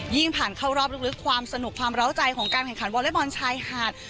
ผ่านเข้ารอบลึกความสนุกความเล้าใจของการแข่งขันวอเล็กบอลชายหาด